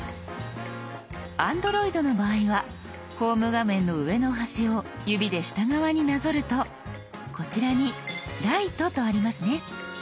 Ａｎｄｒｏｉｄの場合はホーム画面の上の端を指で下側になぞるとこちらに「ライト」とありますね。